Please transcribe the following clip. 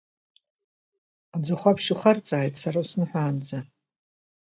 Аӡахәаԥшь ухарҵааит сара усныҳәаанӡа!